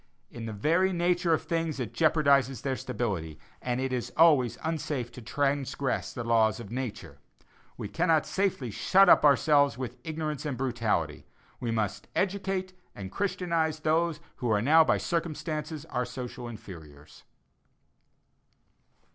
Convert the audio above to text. In the very nature of things it jeopardizes their stability, and it is always unsafe to transgress the laws of nature. We cannot safely shut ourselves up with ignorance and brutality; we must educate and christianize those who are now by circumstances our social inferiors.